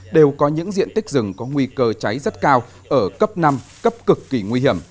đều có những diện tích rừng có nguy cơ cháy rất cao ở cấp năm cấp cực kỳ nguy hiểm